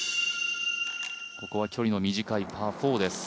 ここは距離の短いパー４です。